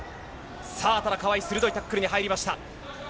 さあ、ただ川井、鋭いタックルに入りました。